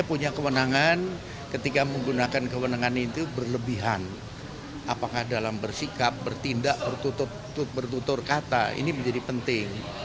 untuk bertutur kata ini menjadi penting